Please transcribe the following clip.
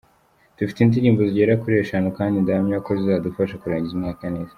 Dufite indirimbo zigera kuri eshanu kandi ndahamya ko zizadufasha kurangiza umwaka neza.